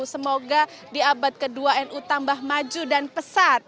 semoga di abad kedua nu tambah maju dan pesat